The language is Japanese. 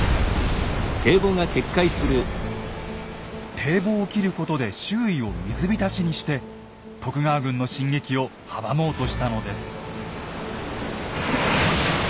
堤防を切ることで周囲を水浸しにして徳川軍の進撃を阻もうとしたのです。